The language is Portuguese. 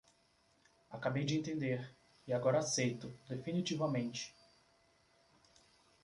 Acabei de entender, e agora aceito, definitivamente